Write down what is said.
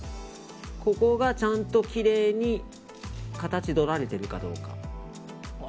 ここがちゃんときれいに形どられているかどうか。